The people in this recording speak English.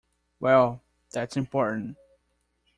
Well, that’s important.